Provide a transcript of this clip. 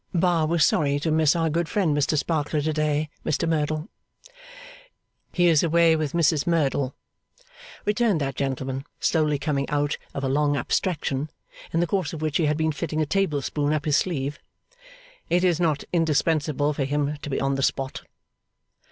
Bar was sorry to miss our good friend Mr Sparkler to day, Mr Merdle. 'He is away with Mrs Merdle,' returned that gentleman, slowly coming out of a long abstraction, in the course of which he had been fitting a tablespoon up his sleeve. 'It is not indispensable for him to be on the spot.